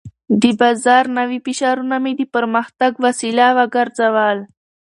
د بازار نوي فشارونه مې د پرمختګ وسیله وګرځول.